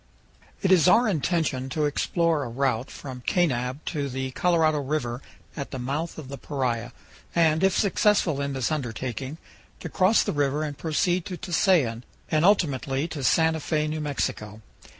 IT IS our intention to explore a route from Kanab to the Colorado River at the mouth of the Paria, and, if successful in this undertaking, to cross the river and proceed to Tusayan, and ultimately to Santa Fe, New Mexico.